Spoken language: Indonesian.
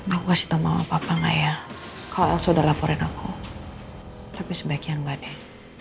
aku kasih tahu mama papa nggak ya kalau elsa udah laporin aku tapi sebaiknya enggak deh